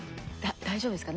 大丈夫ですか？